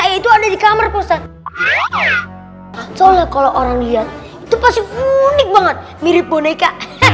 itu ada di kamar pusat soalnya kalau orang lihat itu pasti unik banget mirip boneka